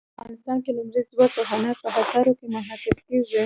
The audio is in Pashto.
افغانستان کې لمریز ځواک د هنر په اثار کې منعکس کېږي.